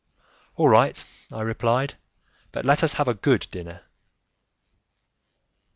"All right," I replied, "but let us have a good dinner."